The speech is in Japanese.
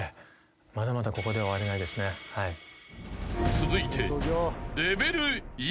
［続いて］